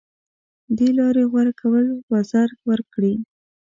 دې لارې غوره کول وزر ورکړي